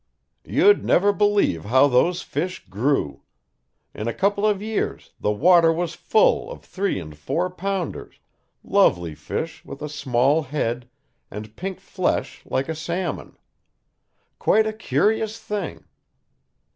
You'd never believe how those fish grew. In a couple of years the water was full of three and four pounders, lovely fish with a small head and pink flesh like a salmon. Quite a curious thing!